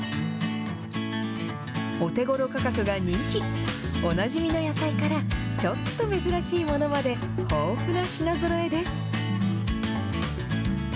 お手ごろ価格が人気、おなじみの野菜からちょっと珍しいものまで、豊富な品ぞろえです。